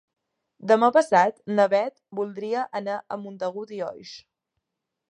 Demà passat na Beth voldria anar a Montagut i Oix.